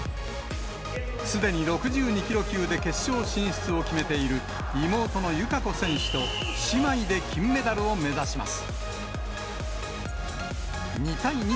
すでに６２キロ級で決勝進出を決めている妹の友香子選手と、姉妹で金メダルを目指します。